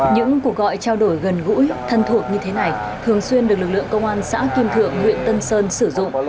những cuộc gọi trao đổi gần gũi thân thuộc như thế này thường xuyên được lực lượng công an xã kim thượng nguyễn tân sơn sử dụng